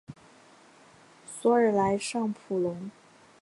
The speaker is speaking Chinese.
索尔莱尚普隆。